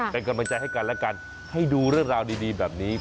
เป็นกำลังใจให้กันและกันให้ดูเรื่องราวดีแบบนี้